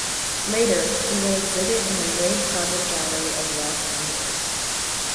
Later, he will exhibit in the Raid Project Gallery of Los Angeles.